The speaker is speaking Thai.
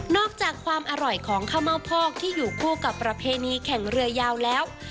อกจากความอร่อยของข้าวเม่าพอกที่อยู่คู่กับประเพณีแข่งเรือยาวแล้ว